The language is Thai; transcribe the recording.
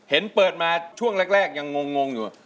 เห็นเปิดมาช่วงแรกยังงงอยู่